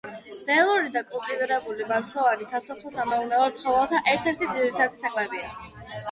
ველური და კულტივირებული მარცვლოვანნი სასოფლო-სამეურნეო ცხოველთა ერთ-ერთი ძირითადი საკვებია.